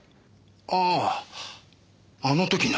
あああの時の。